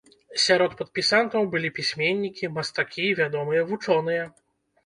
Сярод падпісантаў былі пісьменнікі, мастакі, вядомыя вучоныя.